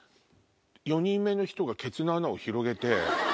４人目の人がケツの穴を広げて。